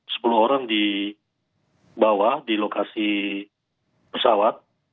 sepuluh orang dibawa di lokasi pesawat